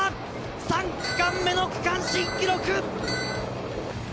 ３区間目の区間新記録！